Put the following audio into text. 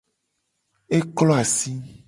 E klo asi.